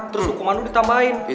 terus hukuman lu ditambahin